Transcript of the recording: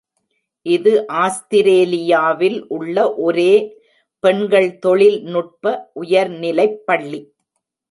இது ஆஸ்திரேலியாவில் உள்ள ஒரே பெண்கள் தொழில்நுட்ப உயர்நிலைப்பள்ளி.